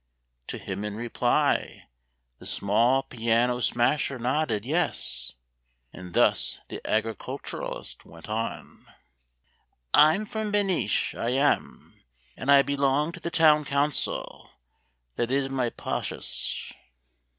To him in reply The small piano smasher nodded "Yes." And thus the agriculturist went on:— "I'm from Beneesh, I am, and I belong To the Town Council—that is my posish.